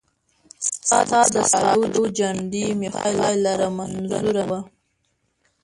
ستا د سالو جنډۍ مي خدای لره منظوره نه وه